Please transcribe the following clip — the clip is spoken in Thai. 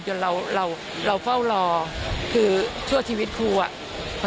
จนเราเฝ้ารอคือชั่วชีวิตครู